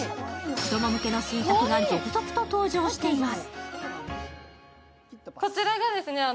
子ども向けの新作が続々と登場しています。